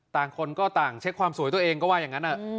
ต่างคนก็ต่างเช็คความสวยตัวเองก็ว่าอย่างนั้น